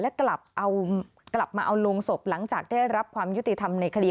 และกลับเอากลับมาเอาลงศพหลังจากได้รับความยุติธรรมในคดี